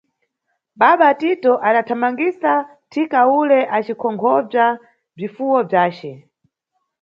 Baba Tito adathamangisa thika ule acikonkhobza bzifuwo bzace.